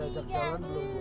aku ingin pergi sekali lagi